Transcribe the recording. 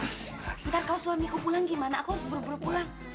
ntar kalau suamiku pulang gimana aku harus buru buru pulang